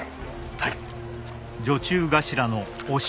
はい。